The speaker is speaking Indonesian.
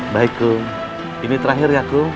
baikku ini terakhir ya ku